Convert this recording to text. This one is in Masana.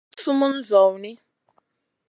Sa ma guɗ sumun zawni.